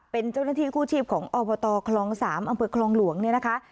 เป็นเจ้าหน้าที่กู้ชีพของอบตคลอง๓อำเภอคลองหลวงเนี่ยนะคะ